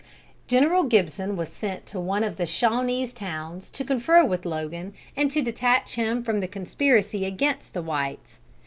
General Gibson was sent to one of the Shawanese towns to confer with Logan and to detach him from the conspiracy against the whites.